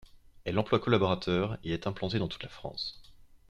Elle emploie collaborateurs et est implantée dans toute la France.